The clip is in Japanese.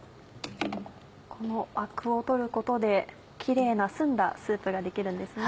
このアクを取ることでキレイな澄んだスープが出来るんですね。